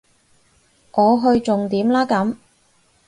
我去重點啦咁